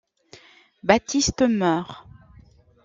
Baptiste meurt.